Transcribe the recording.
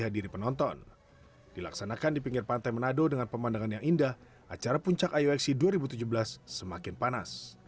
dilaksanakan di pinggir pantai manado dengan pemandangan yang indah acara puncak iofc dua ribu tujuh belas semakin panas